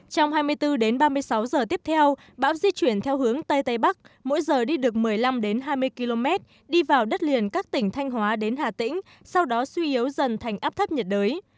trong hai mươi bốn đến ba mươi sáu giờ tiếp theo bão di chuyển theo hướng tây tây bắc mỗi giờ đi được một mươi năm hai mươi km đi vào đất liền các tỉnh thanh hóa đến hà tĩnh sau đó suy yếu dần thành áp thấp nhiệt đới